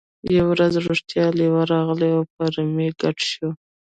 یوه ورځ رښتیا لیوه راغی او په رمې ګډ شو.